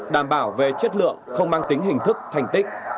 đảm bảo về chất lượng không mang tính hình thức thành tích